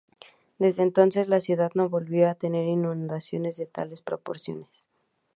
Desde entonces, la ciudad no volvió a tener inundaciones de tales proporciones.